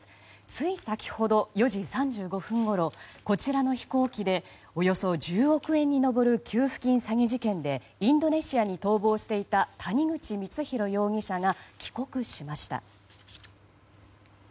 つい先ほど、４時３５分ごろこちらの飛行機でおよそ１０億円に上る給付金詐欺事件でインドネシアに逃亡していた谷口光弘容疑者が帰国しました。